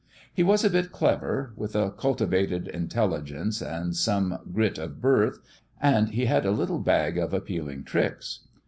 He was a bit clever with a cultivated intelligence and some grit of birth and he had a little bag of appealing tricks.